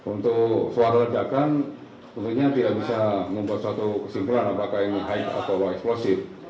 untuk suara ledakan tentunya tidak bisa membuat kesimpulan apakah yang high atau low explosive